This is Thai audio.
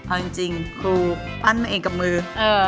เอาจริงครูปั้นมาเองกับมือ